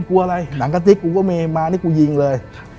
กลัวอะไรหนังกะติ๊กกูก็มีมานี่กูยิงเลย